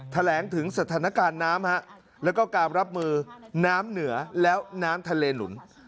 แถลงถึงสถานการณ์น้ำแล้วก็การรับมือน้ำเหนือแล้วน้ำทะเลหนุน